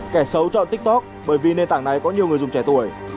kẻ xấu chọn tiktok bởi vì nền tảng này có nhiều người dùng trẻ tuổi